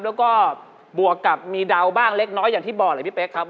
แล้วก็บวกกับมีดาวบ้างเล็กน้อยอย่างที่บอกเลยพี่เป๊กครับ